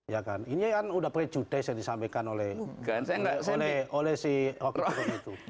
ya kan ini kan udah prejudice yang disampaikan oleh si oknum itu